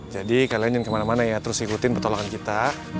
jadi kalian yang kemana mana ya terus ikutin pertolongan kita